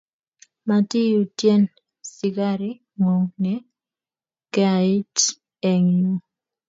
Matiyutien sikare ng'ung' ne keaite eng' yu